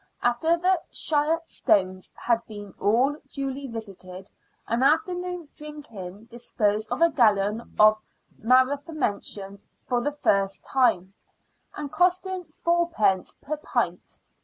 After the " Shire stones " had been all duly visited, an afternoon " drinking " disposed of a gallon of " Mathera "— mentioned for the first time, and costing fourpence per pint.